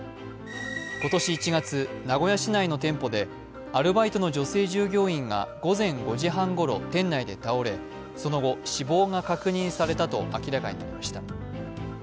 今年１月、名古屋市内の店舗でアルバイトの女性従業員が午前５時半ごろ店内で倒れその後、死亡が確認されたと明らかになりました。